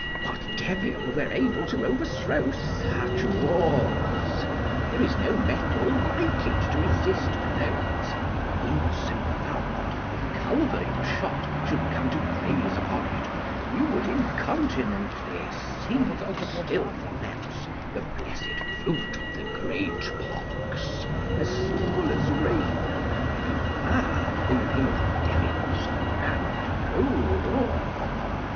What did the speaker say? What devil were able to overthrow such walls? There is no metal like it to resist blows, in so far that, if culverin shot should come to graze upon it, you would incontinently see distil from thence the blessed fruit of the great pox as small as rain. Beware, in the name of the devils, and hold off.